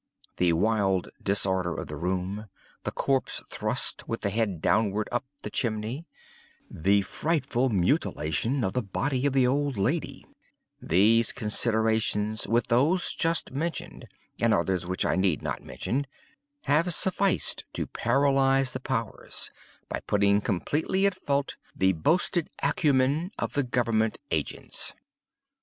The wild disorder of the room; the corpse thrust, with the head downward, up the chimney; the frightful mutilation of the body of the old lady; these considerations, with those just mentioned, and others which I need not mention, have sufficed to paralyze the powers, by putting completely at fault the boasted acumen, of the government agents.